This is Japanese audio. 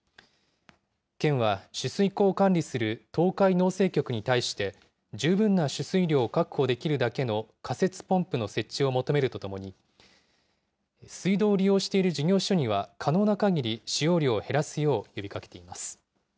県は取水口を管理する東海農政局に対して、十分な取水量を確保できるだけの仮設ポンプの設置を求めるとともに、水道を利用している事業所には、可能なかぎり使用